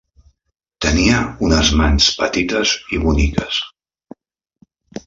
Tenia unes mans petites i boniques.